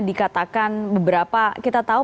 dikatakan beberapa kita tahu